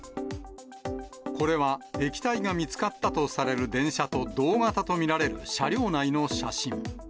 これは、液体が見つかったとされる電車と同型と見られる車両内の写真。